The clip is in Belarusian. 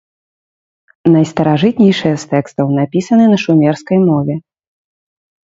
Найстаражытнейшыя з тэкстаў напісаны на шумерскай мове.